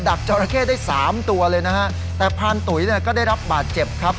จอราเข้ได้สามตัวเลยนะฮะแต่พานตุ๋ยเนี่ยก็ได้รับบาดเจ็บครับ